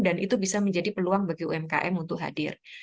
dan itu bisa menjadi peluang bagi umkm untuk hadir